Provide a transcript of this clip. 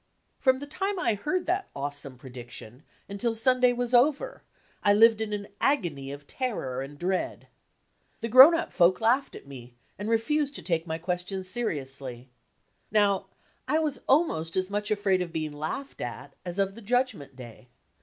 From the dme I heard that awesome prediction until Sun day was over I lived in an agony of terror and dread. The grown up folk laughed at me, and refused to take my ques tions seriously. Now, I was almost as much afraid of being laughed at as of the Judgment Day.